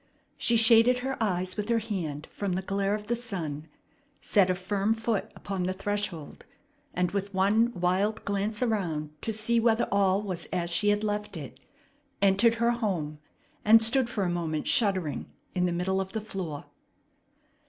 She shaded her eyes with her hand from the glare of the sun, set a firm foot upon the threshold, and, with one wild glance around to see whether all was as she had left it, entered her home and stood for a moment shuddering in the middle of the floor.